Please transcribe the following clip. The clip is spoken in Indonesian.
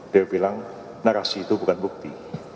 dia bilang narasi itu bukan bukti